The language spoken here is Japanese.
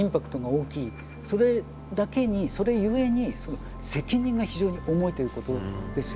それだけにそれゆえに責任が非常に重いということですよね。